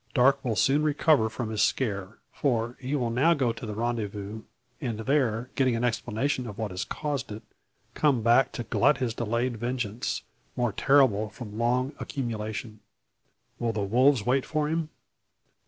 Darke will soon recover from his scare. For he will now go to the rendezvous, and there, getting an explanation of what has caused it, come back to glut his delayed vengeance, more terrible from long accumulation. Will the wolves wait for him?